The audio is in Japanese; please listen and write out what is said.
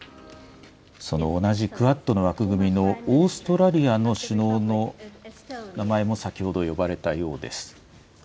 その同じクアッドの枠組みのオーストラリアの首脳の名前も先ほど呼ばれたようです。